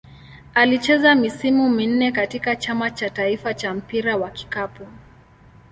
Alicheza misimu minne katika Chama cha taifa cha mpira wa kikapu.